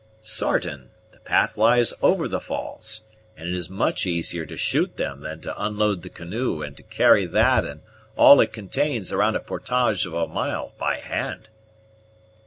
"Sartain; the path lies over the falls, and it is much easier to shoot them than to unload the canoe and to carry that and all it contains around a portage of a mile by hand."